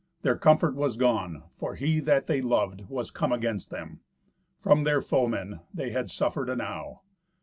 Their comfort was gone, for he that they loved was come against them. From their foemen they had suffered enow.